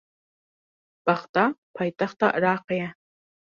Bexda paytexta Iraqê ye.